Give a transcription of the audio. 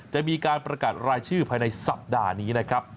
จะมีการประกาศรายชื่อภายในสัปดาห์นี้นะครับ